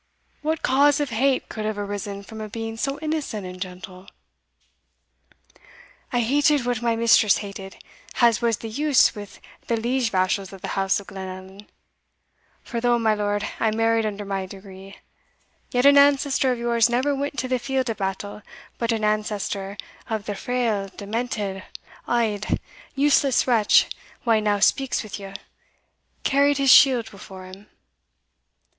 what cause of hate could have arisen from a being so innocent and gentle?" "I hated what my mistress hated, as was the use with the liege vassals of the house of Glenallan; for though, my Lord, I married under my degree, yet an ancestor of yours never went to the field of battle, but an ancestor of the frail, demented, auld, useless wretch wha now speaks with you, carried his shield before him.